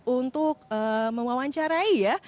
untuk memawancarai ya